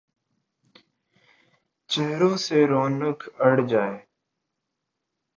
، چہروں سے رونق اڑ جائے ،